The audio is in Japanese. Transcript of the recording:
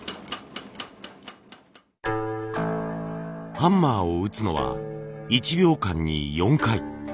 ハンマーを打つのは１秒間に４回。